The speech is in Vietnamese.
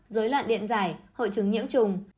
dối loạn điện giải hội chứng nhiễm trùng